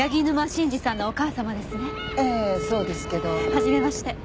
はじめまして。